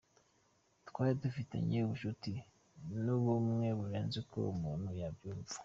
Twari dufitanye ubushuti n’ubumwe burenze uko umuntu abyumva.